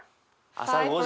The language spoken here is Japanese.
朝５時。